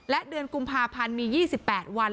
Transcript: และเดือนกุมภาพันธ์มี๒๘วัน